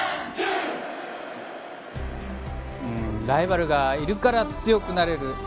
ライバルがいるから強くなれる。